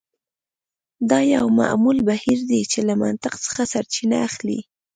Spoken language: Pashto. دا یو معمول بهیر دی چې له منطق څخه سرچینه اخلي